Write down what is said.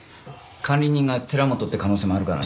管理人が寺本って可能性もあるからな。